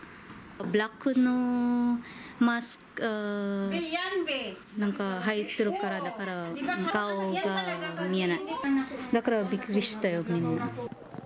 ブラックのマスク、なんかはいってるから、だから顔が見えない、だからびっくりしたよ、みんな。